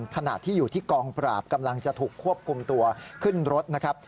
ขณะที่อยู่ที่กองปราบกำลังจะถูกควบคุมตัวขึ้นรถนะครับ